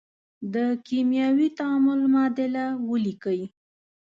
د کیمیاوي تعامل معادله ولیکئ.